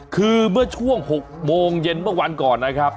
คือเมื่อช่วง๖โมงเย็นเมื่อวันก่อนนะครับ